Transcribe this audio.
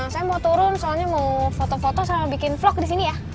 saya mau turun soalnya mau foto foto sama bikin vlog di sini ya